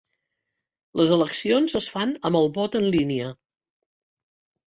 Les eleccions es fan amb el vot en línia.